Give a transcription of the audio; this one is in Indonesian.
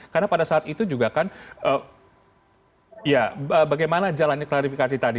karena pada saat itu juga kan ya bagaimana jalannya klarifikasi tadi